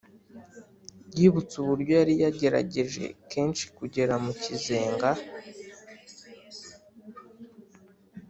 Yibutse uburyo yari yaragerageje kenshi kugera mu kizenga